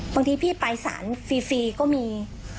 บางทีพี่ไปสารฟรีก็มี